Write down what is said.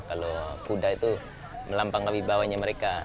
kalau kuda itu melampang lebih bawahnya mereka